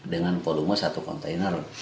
dengan volume satu kontainer